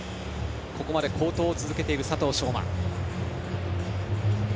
ここまで好投を続けている佐藤奨真。